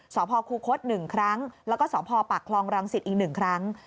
สพคูคศ๑ครั้งแล้วก็สพปากคลองรังสิตอีก๑ครั้ง